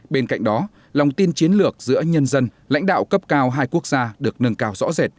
bên cạnh đó lòng tin chiến lược giữa nhân dân lãnh đạo cấp cao hai quốc gia được nâng cao rõ rệt